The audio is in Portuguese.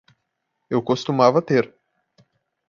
Eu costumava ter